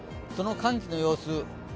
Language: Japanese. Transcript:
その寒気の様子。